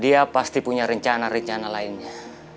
dia pasti punya rencana rencana lainnya